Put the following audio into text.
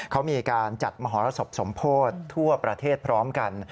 เขามีการจัดมหรสบสมโพธิทั่วประเทศพร้อมกัน